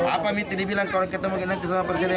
apa miti dibilang kalau ketemu nanti sama presiden